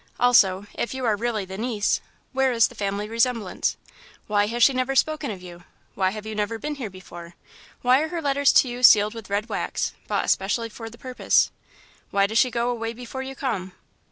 Also, if you are really her niece, where is the family resemblance? Why has she never spoken of you? Why have you never been here before? Why are her letters to you sealed with red wax, bought especially for the purpose? Why does she go away before you come?